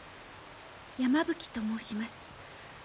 山吹と申します。